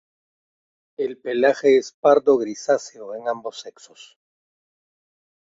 El pelaje es pardo-grisáceo en ambos sexos.